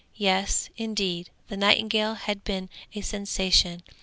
Yes, indeed, the nightingale had made a sensation.